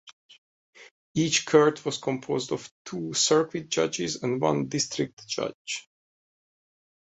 Each court was composed of two circuit judges and one district judge.